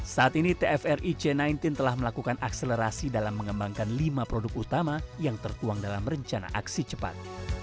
saat ini tfric sembilan belas telah melakukan akselerasi dalam mengembangkan lima produk utama yang tertuang dalam rencana aksi cepat